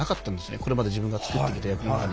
これまで自分が作ってきた役の中に。